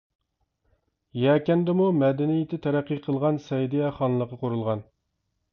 يەكەندىمۇ مەدەنىيىتى تەرەققىي قىلغان سەئىدىيە خانلىقى قۇرۇلغان.